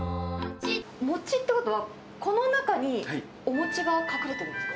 餅っていうことは、この中にお餅が隠れてるんですか？